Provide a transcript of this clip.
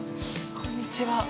こんにちは。